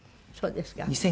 そうですか。